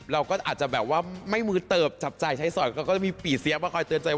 เราก็อาจจะแบบว่าไม่มืดเติบจับใจใช้สอนก็จะมีปี่เซี๊ยะมาคอยเตือนใจ